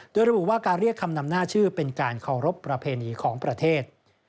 โดยระบุว่าการเรียกคำนำหน้าชื่อเป็นการเคารพประเพณีของประเทศ